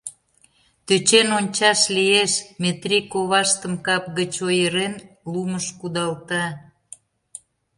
Тӧчен ончаш лиеш, — Метрий коваштым, кап гыч ойырен, лумыш кудалта.